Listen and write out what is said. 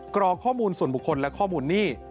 กรอกข้อมูลส่วนบุคคลและข้อมูลหนี้